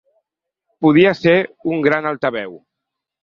Podia ser un gran altaveu.